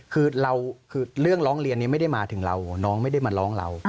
คือเรื่องร้องเรียนนี้ไม่ได้มาถึงเราน้องไม่ได้มาร้องเรา